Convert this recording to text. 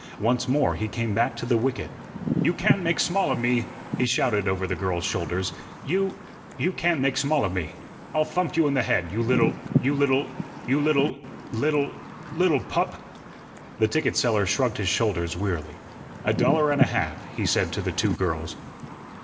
Once more he came back to the wicket. "You can't make small of me," he shouted over the girls' shoulders; "you you can't make small of me. I'll thump you in the head, you little you little you little little little pup." The ticket seller shrugged his shoulders wearily. "A dollar and a half," he said to the two girls.